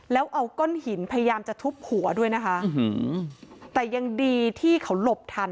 แล้วเอาก้อนหินพยายามจะทุบหัวด้วยนะคะแต่ยังดีที่เขาหลบทัน